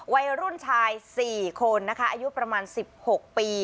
วัยรุ่นชาย๔คนนะคะอายุประมาณ๑๖ปี